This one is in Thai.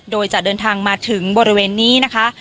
โดยจะเดินทางมาถึงบริเวณนี้นะคะ